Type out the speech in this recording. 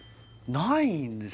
ないんです